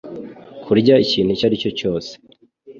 kurya ikintu icyo aricyo cyose.